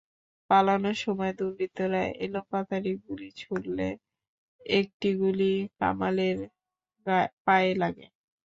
পালানোর সময় দুর্বৃত্তরা এলোপাতাড়ি গুলি ছুড়লে একটি গুলি কামালের পায়ে লাগে।